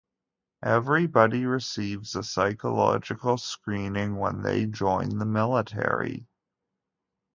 Everybody receives a psychological screening when they join the military.